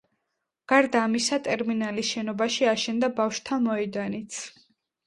გარდა ამისა, ტერმინალის შენობაში აშენდა ბავშვთა მოედანიც.